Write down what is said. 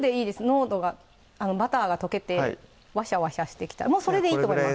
濃度がバターが溶けてワシャワシャしてきたらもうそれでいいと思います